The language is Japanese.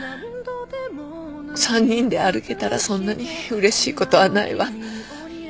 ３人で歩けたらそんなにうれしいことはないわ。